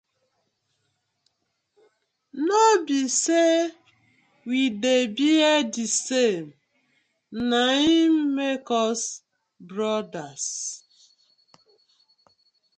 No bi say we dey bear di same na im make us brothers.